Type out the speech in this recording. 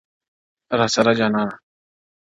o راسره جانانه ،